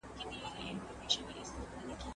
تاسو باید د خپلې روغتیا په اړه فکر وکړئ.